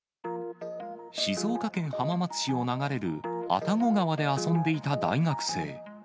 静岡県浜松市を流れる阿多古川で遊んでいた大学生。